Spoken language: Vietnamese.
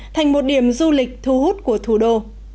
thành một điểm du lịch thu hút của thủ đô